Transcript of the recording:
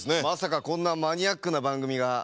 まさかこんなマニアックな番組が。